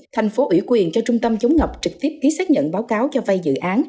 tp hcm cho trung tâm chống ngập trực tiếp ký xác nhận báo cáo cho vay dự án